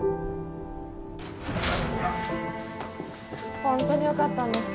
本当によかったんですか？